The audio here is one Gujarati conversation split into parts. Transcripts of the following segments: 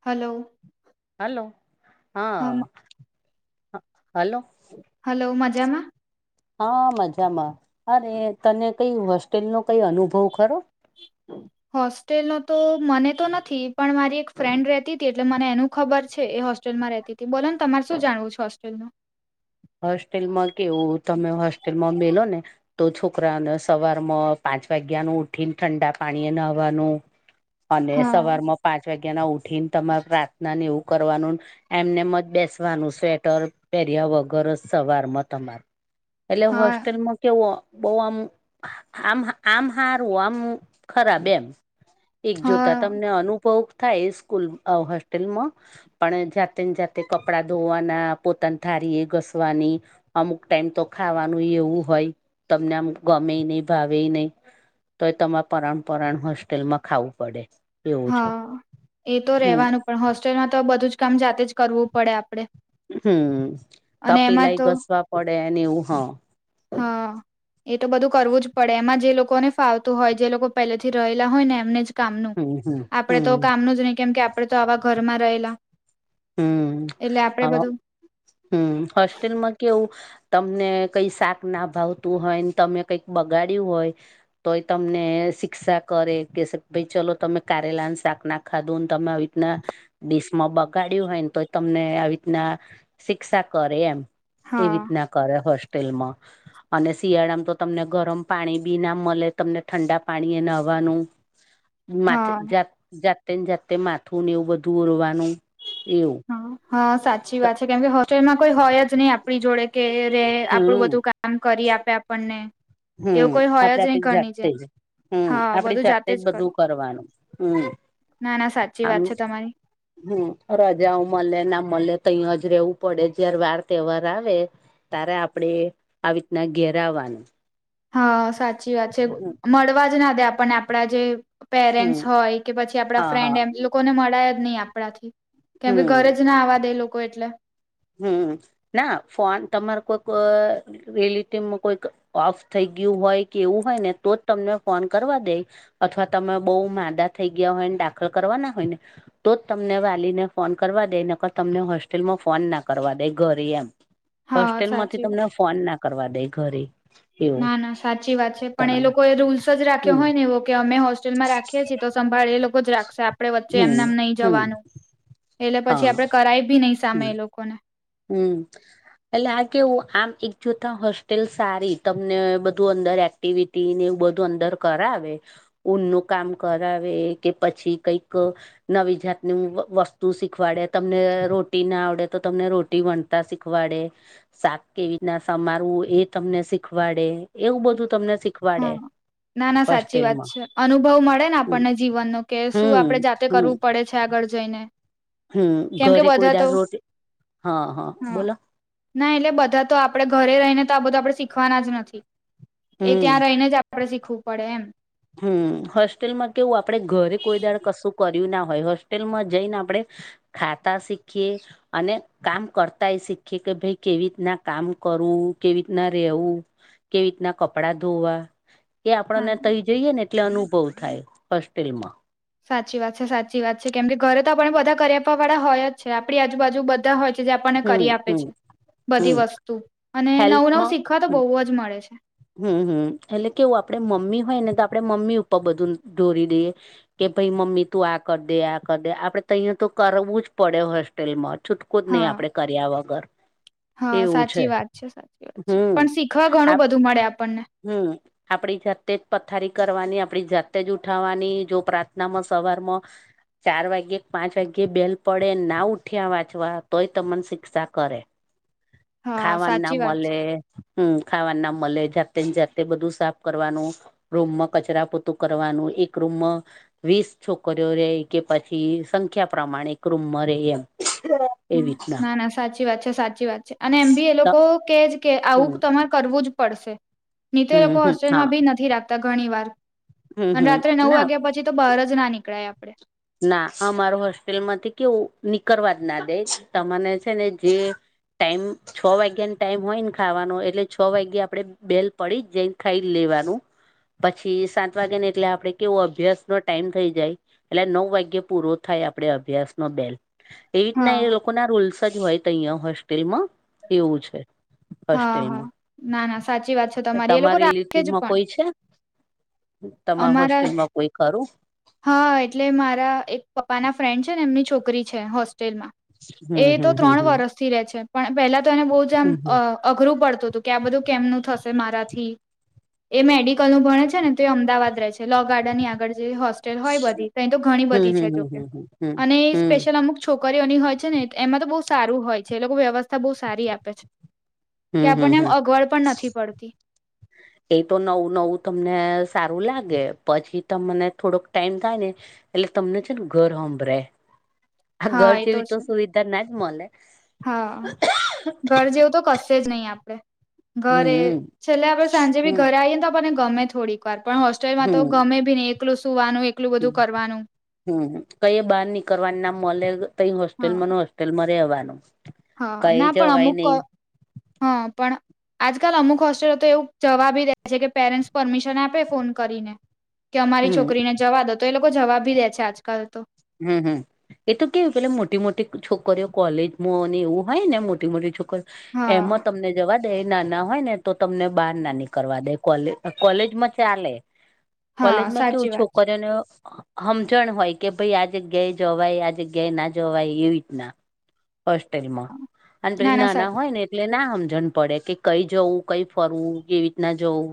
હલો હલો હમ હા હલો હલો મજામા હા, મજામાં અરે તને કઈ હોસ્ટેલ નો કઈ અનુભવ ખરો? [inaudible] હોસ્ટેલનો તો મને તો નથી પણ મારી એક ફ્રેન્ડ રેતી હતી એટલે મને એનું ખબર છે. એ હો હોસ્ટલમાં રહેતી હતી બોલોને તમારે શું જાણું છે. હોસ્ટેલનું? હોસ્ટેલમાં કેવું તમે હોસ્ટેલમાં મેલો ને તો છોકરાને સવારમાં પાંચ વાગ્યા ન ઉઠીને ઠંડા પાણીએ નવાનુ અને હા સવારમાં પાંચ વાગ્યા ના ઉઠીને તમારે પ્રાર્થના ને એવું કરવાનું એમને મ જ બેસવાનું સ્વેટર પહેર્યા વગ ગરજ સવારમાં તમાર એટલે હા હોસ્ટેલમાં કેવો બહુ આમ આમ આમ હારું આમ ખરાબ એમ એક જોતા હા તમને અનુભવ થાય સ્કૂલ હોસ્ટેલમાં પણ જાતે ને જાતે કપડા ધોવાના, પોતાની થારીએ ઘસવાની અમુક ટાઈમ તો ખાવાનું એવું હોય તમને આમ ગમે નહી ભાવે નહી તો એ તમારે પરરાણ પરરાણ હોસ્ટેલમાં ખાવું પડે. એવું છે હા એ તો હમ રેવાનું પણ હોસ્ટેલમાં તો બધું જ કામ જાતે જ કરવું પડે આપડે. હમ અને એમાં તપેલાઈ તો ઘસવા પડે અને એવું હા હા એ તો બધું કરવું જ પડે એમાં જે લોકોને ફ આવતું હોય જે લોકો પહેલેથી રહેલા હોય ને એમને જ કામનું હમ હમ. આપડે તો હમ કામનું જ નહી કેમ કે આપડે તો આવા ઘરમાં રહેલા. હમ એટલે આપડે બધું હમ હોસ્ટેલમાં કેવું તમને કઈ શાક ના ભાવતું હોય તમે કઈક બગાડ્યું હોય તો એ તમને શિક્ષા કરે કે ભાઈ ચલો તમે કારેલા શાક ના ખાધું ને તમે ના ડિશમાં બગ ગાડ્યું હોય ને તો તમને આવી રીતના શિક્ષા કરે એમ એવી હા રીતના કરે હોસ્ટેલમાં. અને શિયાળામાં તો તમને ગરમ પાણી બી ના મળે તમને ઠંડા પાણી એ નહવાનું માથે હા જાતે ને જાતે માથું ને એવું બધું ઉરવાનું એવું. હા સાચી વાત છે કેમકે હો એમાં કોઈ હોય જ નહી આપણી જોડે કે રે આપડું હમ બધું કામ કરી આપે આપણને. એવું હમ કોઈ હોય આપડ જ તે નહી ઘરની જાતે જેમ જ હમ હા આપડી બધું જાતે જ બધું કરું કરવાનું હમ. ના, ના, સાચી આમ વાત છે તમારી. હમ રજાઓ મળલે ના મળલે તોહીં જ રવું પડે જયારે વાર તહેવાર આવે તારે આપણેે આવી રીતના ઘેર આવાનું. હા સાચી વાત છે મળવા જ ના દે આપણ આપડા જે હમ પેરેન્ટસ હોય કે પછી આપડા હા ફ્રેન્ડ હા એમ લોકોને મળાય જ નહી આપણાથી. કેમ કે હમ ઘરે જ ના આવવા દે લોકો એટલે. હમ, ના ફોન તમારે કોઈક ઓય રિલિટીમાં કોઈક ઓફ થઈ ગ્યું હોય કે એવુ હોય ને તો જ તમને ફોન કરવા દેય અથવા તમે બહુ માંદા થઈ ગ્યા હોય ને દાખલ કરવાના હોય ને તોજ તમને વાલીને ફોન કરવા દે નકર તમને હોસ્ટેલમાં ફોન ના કરવા દે ઘરે યમ, હા હોસ્ટેલ માંથી સાચી વાત તમને ફોન ના કરવા દેય ઘરે. એવું ના, ના, સાચી વાત છે, પણ એ તમારે લોકો એ રૂલ્સ જ રાખ્યો હમ હોય ને એવો કે અમે હોસ્ટેલમાં રાખ ઈએ છે તો સંભાળ એ લોકો જ રાખશે આપડે વચ્ચે હમ એમનેમ નહી હમ જવાનું. એલે પછી હા આપડે કરાય ભી નઈ સામે હમ એ લોકોને. હમ. એટલે આ કેવું, આમ એક જોતાં હોસ્ટેલ સારી તમને બધું અંદર એક્ ટીવિટીને એવું બધું અંદર કરાવે ઊન નું કામ કરાવે કે પછી કઈક નવી જાતનું વ વસ્તુ શીખવાડે, તમને રોટી ના આવડે તો તમને રો ટી વન્તા શીખવાડે શાક કેવીતના સમારવું એ તમને શીખવાડે એવું બધું તમને શીખ હા વાડે. ના, ના, સાચી વાત છે. અનુભવ મળે ને હમ આપણને જીવનનું, કે શું હમ આપડે જાતે હમ કરવું પડે છે આગળ જઈને. હમ, કેમ કે ઘરે કોઈ બધા તો દાડ રોટી, હં, હં હા બોલો? ના એટલે બધા તો આપડે ઘરે રહીને તો આ બધું આપડે શીખવાના જ નથી. એ હમ ત્યાં રહીને જ આપડે શીખવું પડે એમ હમ, હોસ્ટેલમાં કેવું આપડે ઘરે કોઈ દાડ કશું કર્યું ના હોય, હોસ્ટેલમાં જઈને આપડે ખાતા શીખીએ અને કામ કરતાએ શીખી કે ભઈ કેવીતના કામ કરવું? કેવીતના રહેેવું? કેવીતના કપડા ધોવા? એ ના આપણને ના તઈ જઈએ ને એટલે અનુભવ થાય, હોસ્ટેલમાં સાચી વાત છે, સાચી વાત છે, કેમ કે ઘરે તો આપણને બધા કરી આપવા વાળા હોય જ છે, આપણી આજુબાજુ બધા હજ કેજે આપણને હમ કરી આપે હમ છે, બધી હમ વસ્તુ, અને નવું નવું હેલ્પમાં શીખવા તો હમ બઉ જ મળે છે હમ, હમ, એટલે કેવું આપડે મમ્મી હોય ને તો આપડે મમ્મી ઉપર બધુન ઢોરી દઈએ કે ભઈ મમ્મી તું આ કરદે, આ કરદે, આપડે તહીંયા તો કરવું જ પડે, હોસ્ટેલમાં છુટ કોજ નહી હા આપડે કર્યા વગર. હા, સાચી વાત છે, સાચી વાત છે, હમ પણ શીખવા ઘણું આપ બધું મળે આપણને. હમ આપણી જાતે જ પથારી કરવાની, આપણી જાતે જ ઉઠાવાની, જો પ્રાર્થનામાં સવારમોં ચાર વાગ્યે, પાંચ વાગ્યે બેલ પડેન, ના ઉઠ્યા વાંચવા તોય તમન શિક્ષા કરે હા ખાવાન ના સાચી વાત છે મલે, હમ, ખાવાન ના મલે, જાતે ને જાતે બધું સાફ કરવાનું રૂમમાં કચરા પોતું કરવાનું એક રૂમમાં વીસ છોકરીઓ રેય કે પછી સંખ્યા પ્રમાણે એક રૂમમાં રેય એમ હં, એવી રીતના ના, ના, સાચી વાત છે, સાચી વાત છે. અને એમ બી એ તો લોકો કેજ કે હમ આવું તમારે કરવું જ પડશે. નીતોએ લોકો હમ હમ હોસ્ટેલમાં હા બી નથી રાખતા ઘણી વાર હમ અન હમ રાત્રે નવ ના વાગ્યા પછી તો બાર જ ના નીકળાય આપડે. ના, અમાર હોસ્ટેલમાંથી કેવું નીકરવા જ ના દે, તમને છે ને જે ટાઈમ છ વાગ્યાને ટાઈમ હોય ને ખાવાનો એટલે છ વાગે આપડે બેલ પડી જઈન ખાઈ લેવાનું પછી સાંત વાગે ને એટલે આપડે કેઉ અભ્યાસ નો ટાઈમ થઈ જાય એટલે નવ વાગ્યે પૂરો થાય આપડે અભ્યાસ નો બેલ, એવીતના એ હા લો કો ના રૂલ્સ જ હોય તઈંયા હોસ્ટેલમાં, એવું છે. હા હા હોસ્ટેલમાં, ના ના સાચી વાત છે એ લોકો તમારી રાખે જ લીટીમાં પણ કોઈ છે? તમારા અમારા હોસ્ટેલમાં કોઈ ખરું? હા એટલે મારા એક પપ્પા ના ફ્રેન્ડ છે ને એમની છોકરી છે હોસ્ટેલમાં. એ હમ તો હમ હમ ત્રણ હમ વરષથી રે છે પણ પેલા તો એને બહુ જ આમ હમ અ અઘરું પડતું હતું કે આ બધું કેમનું થશે મારાથી. એ મેડિકલ નું ભણે છે ને તો એ અમદાવાદ રહે છે લો ગાર્ડન ની આગળ જે હો સ્ટેલ હોય બધી અ તો ઘણી બધી હમ હમ છે હમ હમ હમ હમ જોકે અને એ સ્પેશિયલ અમુક છોકરીઓની હોય છે ને એમાં તો બહુ સારું હોય છે એ લોકો વ્યવસ્થા થા બહુ સારી આપે છે હમ કે હમ હમ આપણને એમ હમ અગવડ પણ નથી પડતી. એ તો નવું નવું તમને સારું લાગે પછી ત મને થોડોક ટાઈમ થાય ને એટલે તમને છે ને ઘર સંંભળે, આ હા ઘર એ જેવી તો છે સુવિધા ના જ મળે. હા, ઘર જેવું તો કશે જ નહી આપ હમ ઘરે છેલ્લે આપડે સાંજે હમ ભી ઘરે આવીઈએ તો આપને ગમે થોડીક વાર પણ હો ટેલ માં તો ગમે ભી નીએકલું સુવાનું એક હમ્મ, હમ્મ હમ્મ, કઈ બહાર નીકળવાની નામ મલે કઈ હા હોસ્ટેલમાં નહિ તેલ મા રેવાનું. હા ના પણ અમુક, હા પણ આજકાલ અમુક હોસ્ટેલો તો એવું જવાબી રહે છે કે પેરેન્ટ્સ પરમિશન આપે ફોન કરીને. કે અમારી હમ છોકરીને જવા દો તો એ લોકો જવા ભી દે છે આજકાલ તો. હમ્મ હમ્મ. એ તો કેવ પેલે મોટી મોટી છોકરીઓ કોલેજમાંને એવું હોય ને મોટી મોટી છોકરી એમાં હા તમને જવા દે નાના હોય ને તો તમને બહાર ના નીકરવા દે કોલે કોલેજ માં ચાલે. હા કોલેજમાં કેવું સાચી વાત છે. છોકરીને સમજણ હોય કે ભાઈ આજે ગય જોવાય આજે ગય ના જોવાય એવી રીતના. હોસ્ટેલ માં અને પહિ ના ના નાના સાચી હોય ને એટલે ના સમજણ પડે કે કઈ જવું, કઈ ફરવું, કેવી રીતના જવું?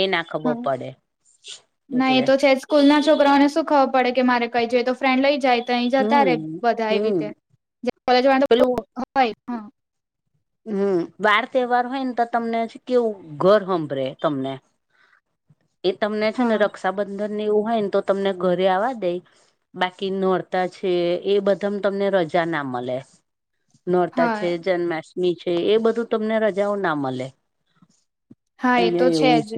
એ ના ખબર હા પડે, ના એ એટલે. તો છે સ્કૂલ ના છોકરાઓને શું ખબર પડે કે મારે કઈ જોઈએ તો ફ્રેન્ડ લઈ જાય તો અહીં જતા રે હમ બધા એવી હમ રીતે. [unintelligible] હોય હા. હમ્મ, વાર તહેવાર હોય ને તો તમને કેવું ઘર હાંભરે તમને. એ તમને છે ને હા રક્ષાબંધન ની એવું હોય ને તો તમને ઘરે આવવા દે. બાકી નોરતા છે એ બધા તમને રજા ના મળે. નોરતા છે, હા જન્માષ્ટમી છે એ બધું તમને રજાઓ ના મળે. હા એ તો અહિયાં છે એવું જ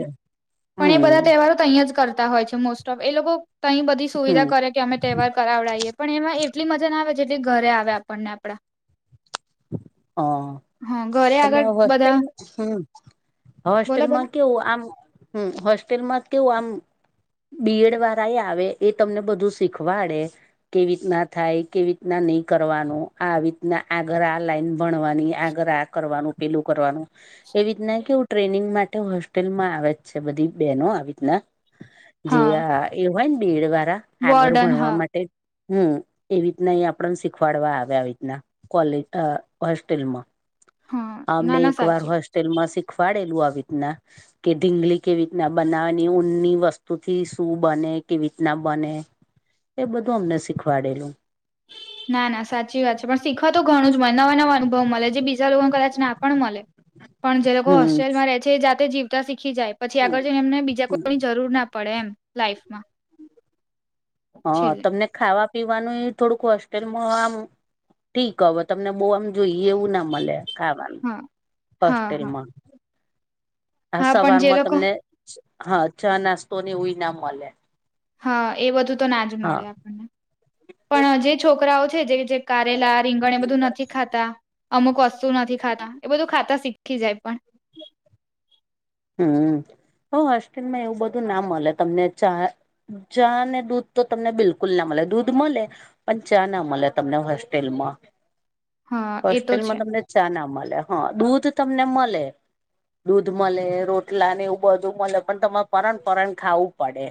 પણ એ હમ બધા તહેવારો તહીં જ કરતા હોય છે મોસ્ટ ઓફ એ લોકો તં બધી હમ સુવિધા કરે કે અમે તહેવાર કરાવડાવએ પણ એમાં એટલી મજા ના આવે જેટલી ઘરે આવે આપણને આપડા. હા હા ઘરે અને આગળ આ બધા હોસ્ટેલ હમ્મ, બોલો બોલો હોસ્ટેલમાં કેવું આમ. હમ્મ, હોસ્ટેલમાં કેવું આમ. બી એડ વાળા એ આવે એ તમને બધું શીખવાડે. કેવી રીતના થાય, કેવી રીતના નહી કરવાનું આ આવી રીતના આગર આ લાઈન ભણવાની, આગળ આ કરવાનું પેલું કરવાનું. એવી રીતના કેવું ટ્રેનિંગ માટે હોસ્ટેલમાં આવે જ છે બધી બહેનો આવી રીતના. જે હા એ હોય ને બેડ વાળા આગળ વોર્ડન ભણવા હા માટે હમ્મ, એવી રીતના અ આપને શીખવાડવા આવે આવી રીતના કોલેજ અ હોસ્ટેલમાં હા અમને ના ના એક વાર સાચી હોસ્ટેલમાં શીખવાડેલું આવી રીતના કે ઢીંગલી કેવી રીતના બનાવેની ઊનની વસ્તુથી શું બને, કેવી રીતના બને. એ બધું અમને શીખવાડેલું. ના ના સાચી વાત છે, પણ શીખવા તો ઘણું જ મળે નવા નવા અનુભવ મળે, જે બીજા લોકોને કદાચ ના પણ મળે. પણ જે લોકો હમ હોસ્ટેલમાં રહેે છે એ જાતે જીવતા શીખી જાય, પછી આગળ જઈને એમને બીજા કોઈની જરૂર ના પડે એમ લાઈફમાં હ છેલ્લે તમને ખાવા પીવાનું થોડુંક હોસ્ટેલમાં આમ ઠીક હવે તમને બહુ આમ જોઈએ એવું ના મળે ખાવાનું હા હા હા હોસ્ટેલમાં આ હા પણ સવાર જે માં લોકો તમને હા ચા નાસ્તોને એવું ઈનામ મલે હા એ બધું તો ના જ મળે આપણને પણ જે છોકરાઓ છે જે કે કારેલા રીંગણ એ બધું નથી ખાતા અમુક વસ્તુ નથી ખાતા એ બધું ખાતા શીખી જાય પણ હમ તો હોસ્ટેલમાં એવું બધું ના મળે તમને ચા ચા ને દૂધ તો તમને બિલકુલ ના મળે દૂધ મળે પણ ચા ના મળે તમને હોસ્ટેલમાં હા એ તો હોસ્ટેલમાં છે તમને ચા ના મલે હા દૂધ તમને મલે દૂધ મલે રોટલા ને એવું બધું મળે પણ તમારે પરણ પરણ ખાવું પડે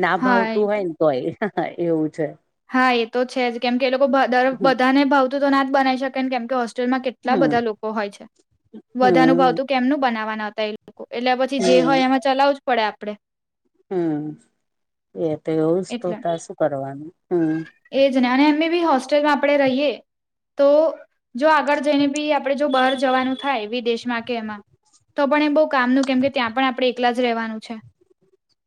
ના હા એ ભાવતું હોય તો ને તોય એવું છે. હા એ તો છે જ કેમકે એ ભધારે હમ બધાને ભાવતું તો ના જ બનાવી શકે ને કેમ કે હો હોસ્ટેલમાં કેટલા બધા લોકો હોય છે વધાનું હમ ભાવતું કેમનું બનાવા ના તે એટલે પછી જે હમ હોય એમાં ચલાવું જ પડે આપડે હમ એ તો એવું જ એટલે તોતા શું કરવાનું હમ એજ ને અને અમે બી હોસ્ટેલમાં આપડણે રહીએ તો જો આગળ જઈને બી આપણે જો બહાર જવાનું થાય વિદેશમાં કે એમાં તો પણ એમ બહુ કામનું કેમ કે ત્યાં પણ આપડણે એકલા જ રહેવાનું છે.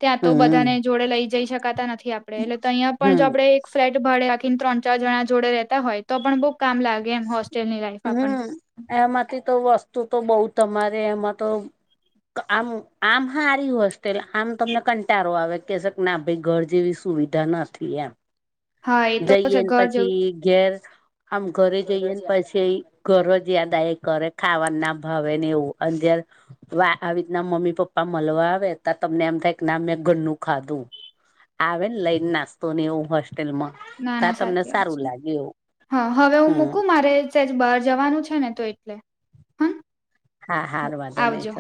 ત્યાં તો બધાને હમ જોડે લઈ જઈ શકાતા નથી આપડે એટલે તો અહિયાં પણ હમ જો આપડે ફ્લેટ ભાડે રાખીને ત્રણ ચાર જણા જોડે રેતા હોય તો પણ બઉ કામ લાગે એમ હોસ્ટેલ ની લાઈફ આપણને હમ એમાંથી તો વસ્તુ તો બઉુ તમારે એમાં તો આમ આમ હારી હોસ્ટેલ આમ તમને કંટારો આવે કેહે શ ના ભાઈ ઘર જેવી સુવિધા નથી એમ હા એ તો છે જઈએને ઘર જેવું પછી ઘેર આમ ઘરે જઈએ ને પછી ઘરજ યાદા એ કરે ખાવાનું ના ભાવે ને એવું અંદ આવી રિત ના મમ્મી પપ્પા મલવા આવે હતા તમને એમ થાય કે ના મેં ઘરનું ખાધું આવે ને લઈને નાસ્તો ને એવું હોસ્ટેલ માં ના ના સાચી વાત છે હા હવે હું હમ મૂકું મારે સેજ બહાર જવાનું છે ને તો એટલે હમ હા હાર વાંધો નહી છ